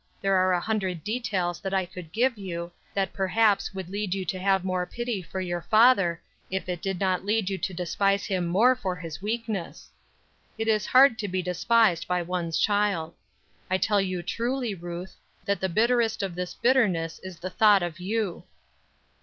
There are a hundred details that I could give you, that perhaps would lead you to have more pity for your father, if it did not lead you to despise him more for his weakness. It is hard to be despised by one's child. I tell you truly, Ruth, that the bitterest of this bitterness is the thought of you."